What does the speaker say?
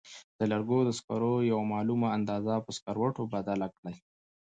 د لرګو د سکرو یوه معلومه اندازه په سکروټو بدله کړئ.